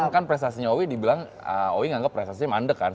kan prestasinya owi dibilang owi nanggap prestasinya mandek kan